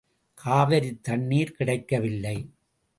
காவிரித் தண்ணீர் கிடைக்கவில்லை!